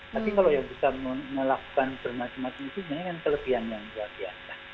tapi kalau yang bisa melakukan bermacam macam itu sebenarnya kan kelebihan yang luar biasa